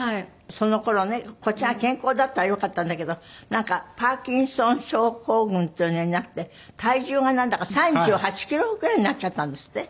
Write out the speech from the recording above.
その頃ねこっちが健康だったらよかったんだけどなんかパーキンソン症候群というのになって体重がなんだか３８キロぐらいになっちゃったんですって？